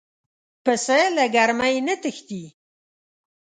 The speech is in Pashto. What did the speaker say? پسه له ګرمۍ نه تښتي.